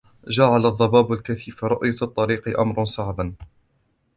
جعل الضباب الكثيف رؤية الطريق أمرا صعبا.